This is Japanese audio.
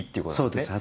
そうです。